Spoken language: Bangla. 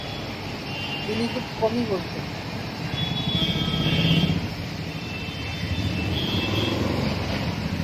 তিনি খুব কমই বলতেন।